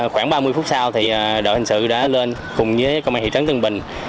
khoảng ba mươi phút sau thì đội hình sự đã lên cùng với công an thị trấn tân bình